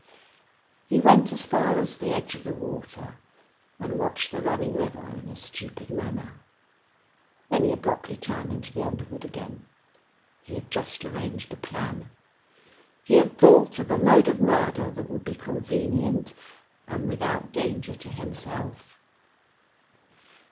He went as far as the edge of the water, and watched the running river in a stupid manner. Then, he abruptly turned into the underwood again. He had just arranged a plan. He had thought of a mode of murder that would be convenient, and without danger to himself.